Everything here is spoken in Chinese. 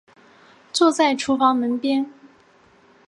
坐在厨房的门边